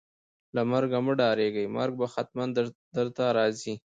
له مرګ مه ډاریږئ ، مرګ به ختمن درته راځي